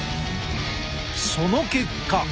その結果。